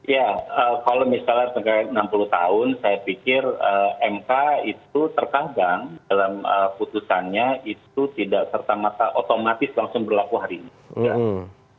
ya kalau misalnya enam puluh tahun saya pikir mk itu terkadang dalam putusannya itu tidak serta otomatis langsung berlaku hari ini